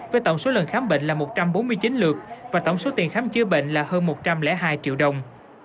với tổng số lần khám bệnh là một trăm bốn mươi chín lượt và tổng số tiền khám chữa bệnh là hơn một trăm linh hai triệu đồng